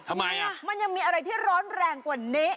ทำไมอ่ะมันยังมีอะไรที่ร้อนแรงกว่านี้